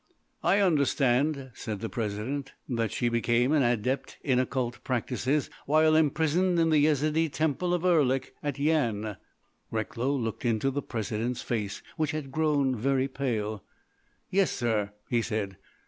"I understand," said the President, "that she became an adept in occult practices while imprisoned in the Yezidee Temple of Erlik at Yian." Recklow looked into the President's face, which had grown very pale. "Yes, sir," he said.